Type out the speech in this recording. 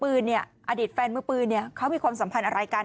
มือปืนเนี่ยอดิษฐ์แฟนมือปืนเนี่ยเขามีความสัมพันธ์อะไรกัน